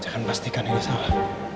jangan pastikan ini salah